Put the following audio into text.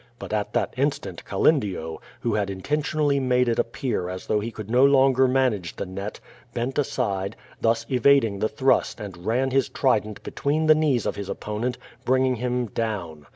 But at that instant, Calendio, who had intentionally made it appear as though he could no longer manage the net, bent aside, thus evading the thrust and ran his trident between the knees of his opponent, bring ing him down.